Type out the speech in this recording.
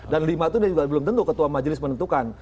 dan lima itu belum tentu ketua majelis menentukan